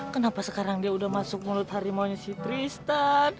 kenapa sekarang dia udah masuk mulut harimaunya si tristan